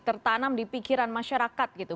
tertanam di pikiran masyarakat gitu